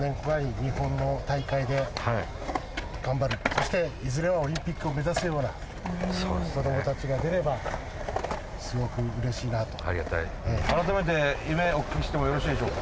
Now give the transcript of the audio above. そしていずれはオリンピックを目指すような子どもたちが出ればすごく嬉しいなとありがたい改めて夢お聞きしてもよろしいでしょうか